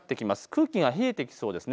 空気が冷えてきそうですね。